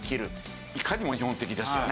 いかにも日本的ですよね。